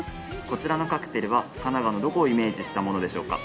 こちらのカクテルは神奈川のどこをイメージしたものでしょうか？